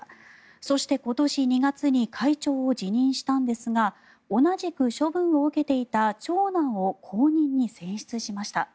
そして、今年２月に会長を辞任したんですが同じく処分を受けていた長男を後任に選出しました。